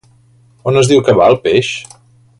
On es diu que va el peix?